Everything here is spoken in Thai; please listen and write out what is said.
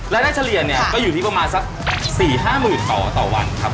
รายได้เฉลี่ยเนี่ยก็อยู่ที่ประมาณสัก๔๕หมื่นต่อต่อวันครับผม